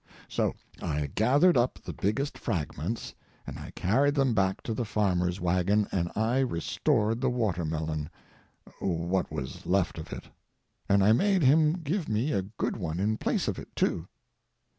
So I gathered up the biggest fragments, and I carried them back to the farmer's wagon, and I restored the watermelon—what was left of it. And I made him give me a good one in place of it, too.